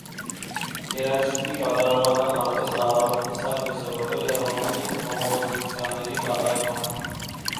Երաժիշտի կատարողական արվեստը առավել հստակ դրսևորվել է ռոմանտիկ կոմպոզիցիաների կատարմամբ։